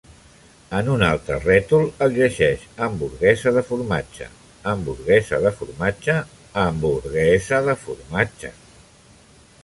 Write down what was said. En un altre rètol es llegeix: hamburguesa de formatge, hamburguesa de formatge, hamburguesa de formatge.